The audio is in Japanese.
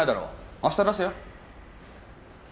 明日出せよ。